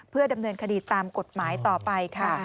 เพื่อดำเนินคดีตามกฎหมายต่อไปค่ะ